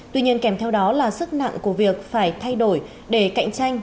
tuy nhiên kèm theo đó là sức nặng của việc phải thay đổi để cạnh tranh